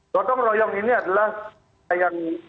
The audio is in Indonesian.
gotong royong ini adalah yang